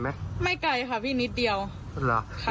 ไม่ไกลค่ะพี่นิดเดียว